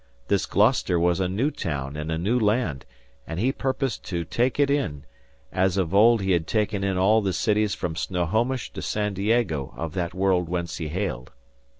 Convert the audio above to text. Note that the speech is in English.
This Gloucester was a new town in a new land, and he purposed to "take it in," as of old he had taken in all the cities from Snohomish to San Diego of that world whence he hailed.